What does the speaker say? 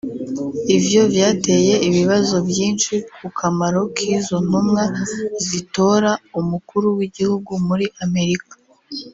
Ivyo vyateye ibibazo vyinshi ku kamaro k’izo ntumwa zitora umukuru w’igihugu muri Amerika